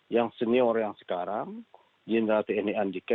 yang senior yang sekarang general tni andika